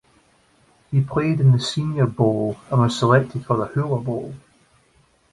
He played in the Senior Bowl and was selected for the Hula Bowl.